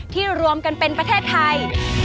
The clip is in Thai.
รวมกันเป็นประเทศไทย